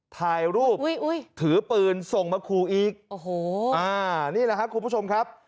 ถ่ายรูปถือปืนส่งมาขู่อีกโอ้โหอ่านี่แหละครับคุณผู้ชมครับ